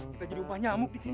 kita jadi umpah nyamuk disini